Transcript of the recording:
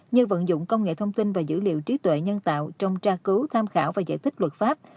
như vận dụng công nghệ thông tin và dữ liệu trí tuệ nhân tạo trong tra cứu tham khảo và giải thích luật pháp